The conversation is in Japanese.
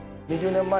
２０年前？